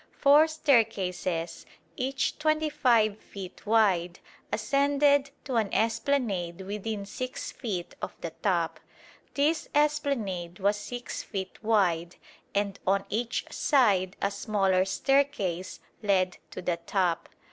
Four staircases, each 25 feet wide, ascended to an esplanade within 6 feet of the top. This esplanade was 6 feet wide, and on each side a smaller staircase led to the top.